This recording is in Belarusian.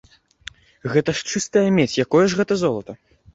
Гэта ж чыстая медзь, якое ж гэта золата?